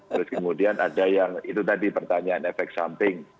terus kemudian ada yang itu tadi pertanyaan efek samping